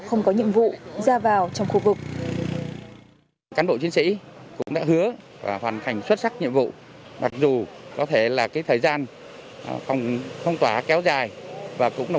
không có nhiệm vụ ra vào trong khu vực